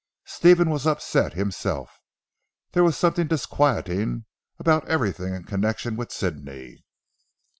Stephen was upset himself. There was something disquieting about everything in connection with Sidney.